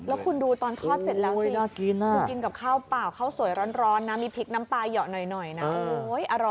แล้วคุณดูตอนทอดเสร็จแล้วสิคุณกินกับข้าวเปล่าข้าวสวยร้อนนะมีพริกน้ำปลาเหยาะหน่อยนะ